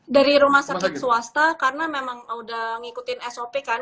dari rumah sakit swasta karena memang udah ngikutin sop kan